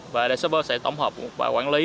và server sẽ tổng hợp và quản lý